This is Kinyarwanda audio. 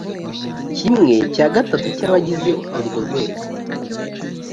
kimwe cya gatatu cy’abagize urwo rwego